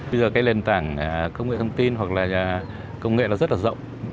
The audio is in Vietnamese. bây giờ cái nền tảng công nghệ thông tin hoặc là công nghệ nó rất là rộng